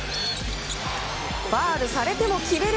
ファウルされても決める！